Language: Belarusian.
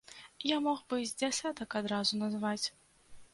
Я мог бы з дзясятак адразу назваць.